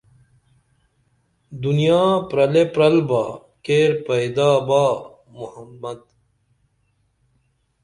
دنیا پرلے پرل با کیر پیدا با محمد